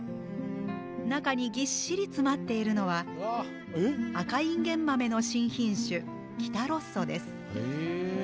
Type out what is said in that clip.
中にぎっしり詰まっているのは赤いんげん豆の新品種、きたロッソです。